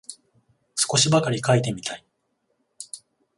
少しばかり書いてみたい